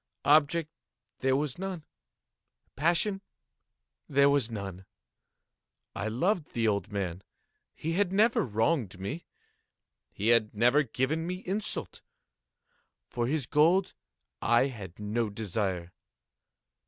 Object there was none. Passion there was none. I loved the old man. He had never wronged me. He had never given me insult. For his gold I had no desire.